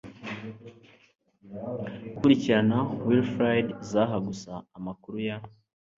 gukurikirana Wilfried Zaha Gusa Amakuru ya